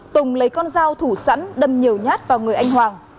tùng lấy con dao thủ sẵn đâm nhiều nhát vào người anh hoàng